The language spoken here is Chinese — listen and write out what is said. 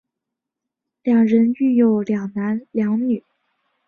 两人育有两男两女。